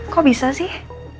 kok bisa sih